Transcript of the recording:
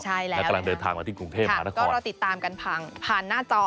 ใช่แล้วแล้วกำลังเดินทางมาที่กรุงเทพก็รอติดตามกันผ่านผ่านหน้าจอ